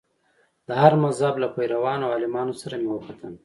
د هر مذهب له پیروانو او عالمانو سره مې وکتل.